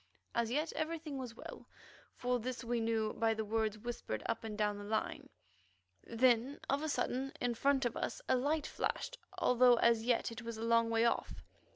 As yet everything was well; for this we knew by the words whispered up and down the line. Then of a sudden, in front of us a light flashed, although as yet it was a long way off.